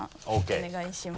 お願いします。